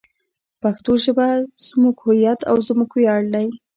پښتو ژبه زموږ هویت او زموږ ویاړ دی.